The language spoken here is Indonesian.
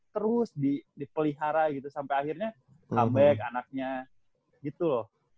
terus dipelihara gitu sampai akhirnya comeback anaknya gitu loh